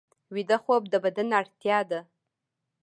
ویده خوب د بدن اړتیا ده